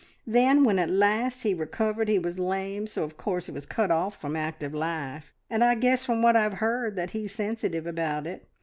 Then when at last he recovered, he was lame, so of course he was cut off from active life, and I guess from what I've heard that he's sensitive about it.